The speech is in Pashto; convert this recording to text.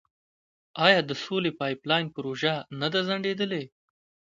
آیا د سولې پایپ لاین پروژه نه ده ځنډیدلې؟